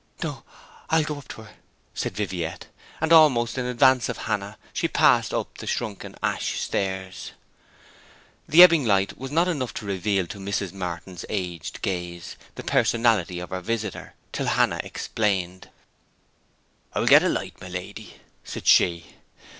'No, I'll go up to her,' said Viviette; and almost in advance of Hannah she passed up the shrunken ash stairs. The ebbing light was not enough to reveal to Mrs. Martin's aged gaze the personality of her visitor, till Hannah explained. 'I'll get a light, my lady,' said she.